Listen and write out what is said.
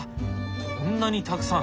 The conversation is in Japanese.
こんなにたくさん。